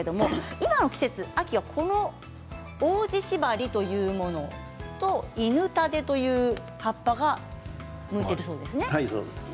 今の季節、秋はオオジシバリというものとイヌタデという葉っぱが向いているそうですね。